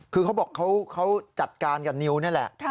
คือเขาบอกเขาจัดการกับนิวนี่แหละ